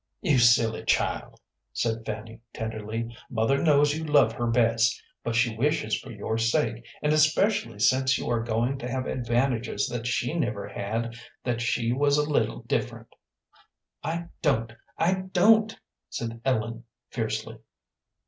"You silly child," said Fanny, tenderly. "Mother knows you love her best, but she wishes for your sake, and especially since you are going to have advantages that she never had, that she was a little different." "I don't, I don't," said Ellen, fiercely.